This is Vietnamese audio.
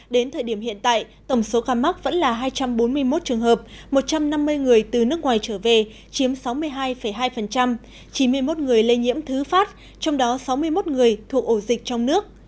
đến thời điểm hiện tại tổng số ca mắc vẫn là hai trăm bốn mươi một trường hợp một trăm năm mươi người từ nước ngoài trở về chiếm sáu mươi hai hai chín mươi một người lây nhiễm thứ phát trong đó sáu mươi một người thuộc ổ dịch trong nước